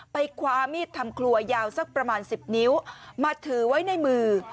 คว้ามีดทำครัวยาวสักประมาณ๑๐นิ้วมาถือไว้ในมือ